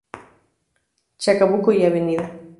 Chacabuco y Av.